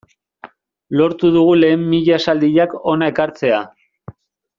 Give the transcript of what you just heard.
Lortu dugu lehen mila esaldiak hona ekartzea.